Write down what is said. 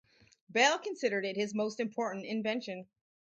Bell considered it his most important invention.